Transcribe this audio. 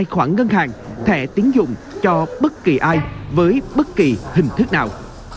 khoản ngân hàng thẻ tiến dụng cho bất kỳ ai với bất kỳ hình thức nào